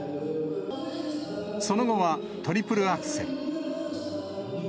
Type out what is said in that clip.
その後はトリプルアクセル。